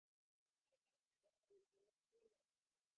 আর কাজটা একেবারে বিনামূল্যে করবো।